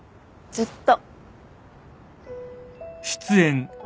ずっと。